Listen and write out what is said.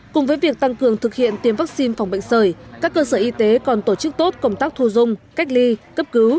cùng với việc tăng cường thực hiện tiêm vaccine phòng bệnh sởi các cơ sở y tế còn tổ chức tốt công tác thu dung cách ly cấp cứu